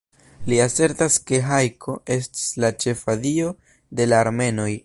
Li asertas ke Hajko estis la ĉefa dio de la armenoj.